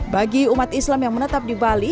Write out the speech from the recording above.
bagi umat islam yang menetap di bali